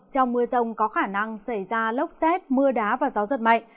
trong mưa rông có khả năng xảy ra lốc xét mưa đá và gió giật mạnh